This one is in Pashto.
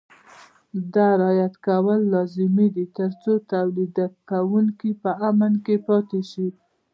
دا رعایت کول لازمي دي ترڅو تولیدوونکي په امن کې پاتې شي.